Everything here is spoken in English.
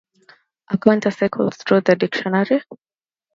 A counter cycles through the dictionary.